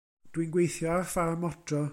Dw i'n gweithio ar ffarm odro.